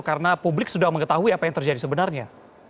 karena publik sudah mengetahui apa yang terjadi sebenarnya